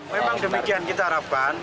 memang demikian kita harapan